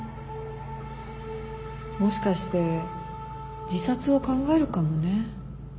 もしかして自殺を考えるかもね。